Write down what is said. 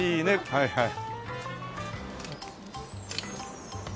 はいはい。